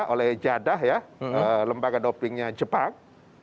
oleh jadah ya lembaga dopingnya jepang